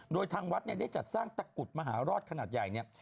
โดยทางวัดเนี่ยได้จัดสร้างตะกรุดมหารอดขนาดใหญ่เนี่ย